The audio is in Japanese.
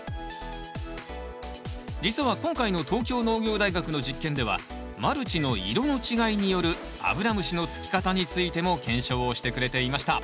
実は今回の東京農業大学の実験ではマルチの色の違いによるアブラムシのつき方についても検証をしてくれていました。